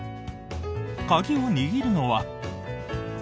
鍵を握るのは。